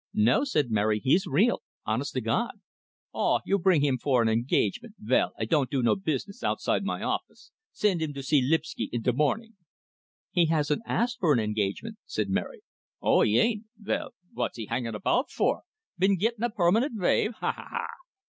"No," said Mary, "he's real. Honest to God!" "Oh! You bring him for an engagement. Vell, I don't do no business outside my office. Send him to see Lipsky in de mornin'." "He hasn't asked for an engagement," said Mary. "Oh, he ain't. Vell, vot's he hangin' about for? Been gittin' a permanent vave? Ha, ha, ha!"